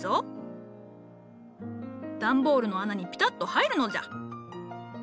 段ボールの穴にピタッと入るのじゃ。